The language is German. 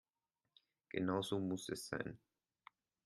Genau so muss es sein.